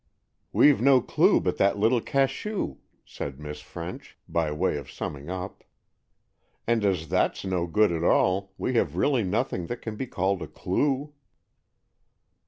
"We've no clue but that little cachou," said Miss French, by way of summing up; "and as that's no good at all, we have really nothing that can be called a clue."